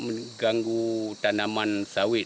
mengganggu tanaman sawit